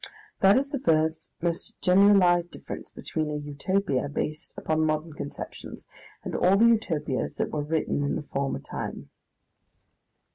That is the first, most generalised difference between a Utopia based upon modern conceptions and all the Utopias that were written in the former time.